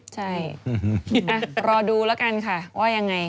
ใช่รอดูแล้วกันค่ะว่ายังไง